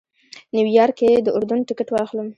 نیویارک کې د اردن ټکټ واخلم.